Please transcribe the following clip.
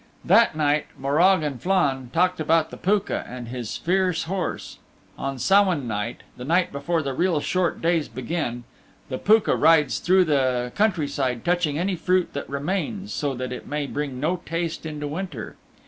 That night Morag and Flann talked about the Pooka and his fierce horse. On Sowain night the night before the real short days begin the Pooka rides through the countryside touching any fruit that remains, so that it may bring no taste into winter.